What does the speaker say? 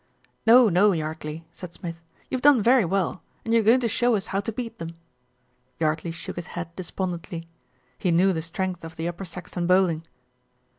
"No, no, Yardley," said Smith. "You've done very well, and you're going to show us how to beat them." Yardley shook his head despondently he knew the strength of the Upper Saxton bowling.